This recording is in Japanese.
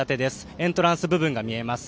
エントランス部分が見えます。